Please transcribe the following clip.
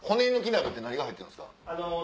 鍋って何が入ってるんですか？